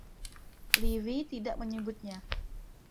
Livy tidak menyebutnya.